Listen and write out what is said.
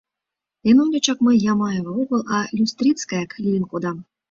— Эн ончычак, мый Ямаева огыл, а Люстрицкаяк лийын кодам.